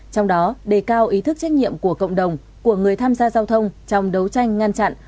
trong đó đề cao ý thức trách nhiệm của cộng đồng của người tham gia giao thông trong đấu tranh ngăn chặn